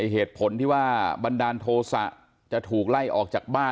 เหตุผลที่ว่าบันดาลโทษะจะถูกไล่ออกจากบ้าน